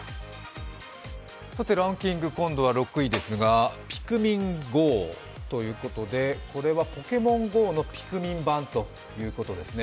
ランキング、今度は６位ですが、ピクミンＧＯということでこれはポケモンＧＯのピクミン版ということですね。